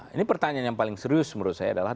ini pertanyaan yang paling serius menurut saya adalah